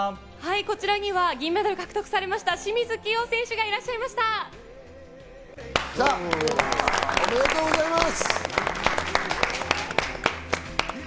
こちらには銀メダルを獲得されました清水希容選手がいらっしおめでとうございます。